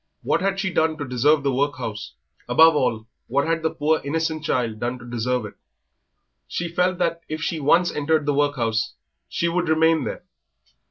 What had she done to deserve the workhouse? Above all, what had the poor, innocent child done to deserve it? She felt that if she once entered the workhouse she would remain there.